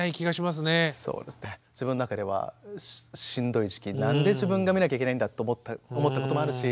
自分の中ではしんどい時期何で自分が見なきゃいけないんだと思ったこともあるし